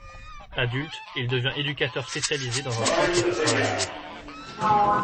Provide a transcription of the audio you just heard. Adulte, il devient éducateur spécialisé dans un centre pour paralysés.